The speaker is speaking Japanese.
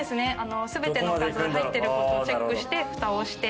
全てのおかず入ってることをチェックしてふたをして。